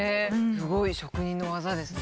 すごい職人の技ですね。